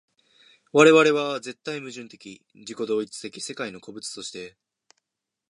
我々は絶対矛盾的自己同一的世界の個物として、